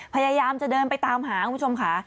พยายามจะเดินไปตามหาคุณผู้ชมค่ะ